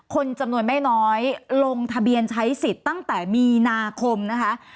คนจำนวนไม่น้อยลงทะเบียนใช้สิทธิ์ตั้งแต่มีนาคมนะคะ